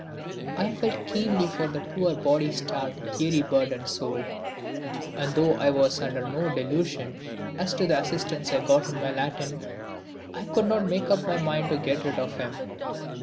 I felt keenly for the poor body starved theory burdened soul, and though I was under no delusion as to the assistance I got in my Latin, I could not make up my mind to get rid of him.